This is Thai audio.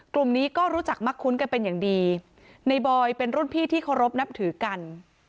กลุ่มนี้ก็รู้จักมักคุ้นกันเป็นอย่างดีในบอยเป็นรุ่นพี่ที่เคารพนับถือกัน